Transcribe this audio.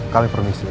kami permisi ya